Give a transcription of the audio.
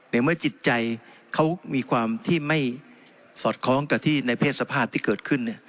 ในเมื่อจิตใจเขามีความที่ไม่สอดคล้องกับที่ในเพศสภาพที่เกิดขึ้น